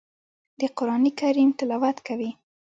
د قران کریم تلاوت کوي.